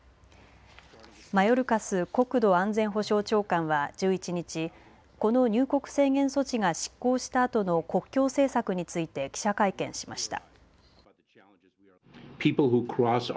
マヨルカス国土安全保障長官は１１日、この入国制限措置が失効したあとの国境政策について記者会見しました。